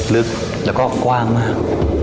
ลึกแล้วก็กว้างมาก